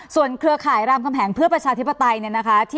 ส่วนเครือข่ายรำคำแหงเพื่อประชาธิปไตย